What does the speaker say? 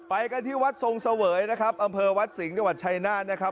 ไปกันที่วัดทรงเสวยนะครับอำเภอวัดสิงห์จังหวัดชายนาฏนะครับ